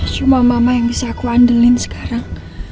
cuma mama yang bisa aku andelin sekarang